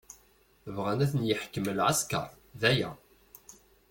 Bɣan ad ten-yeḥkem lɛesker, d aya.